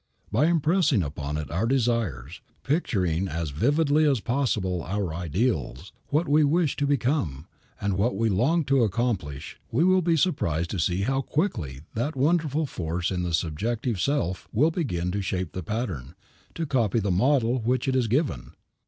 By impressing upon it our desires, picturing as vividly as possible our ideals, what we wish to become, and what we long to accomplish, we will be surprised to see how quickly that wonderful force in the subjective self will begin to shape the pattern, to copy the model which it is given.